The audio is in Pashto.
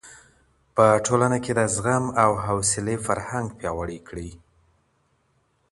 په ټولنه کي د زغم او حوصلې فرهنګ پياوړی کړئ.